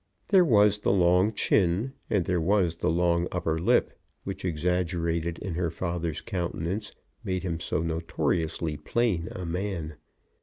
There was the long chin, and there was the long upper lip, which, exaggerated in her father's countenance, made him so notoriously plain a man.